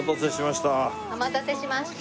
お待たせしました。